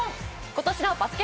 今年のバスケ☆